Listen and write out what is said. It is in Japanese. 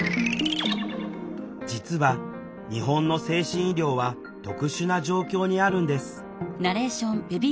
実は日本の精神医療は特殊な状況にあるんです。